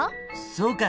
そうか。